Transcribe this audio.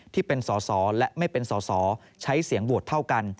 ที่เป็นสอสอและไม่เป็นสอสอใช้เสียงโหวตเท่ากัน